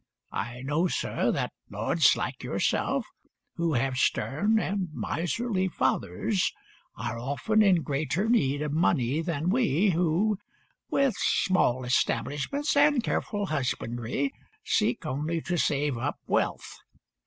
I know, sir, that lords like yourself, who have stern and miserly fathers, are often in greater need of money than we, who, with small establishments and careful husbandry, seek only to save up wealth.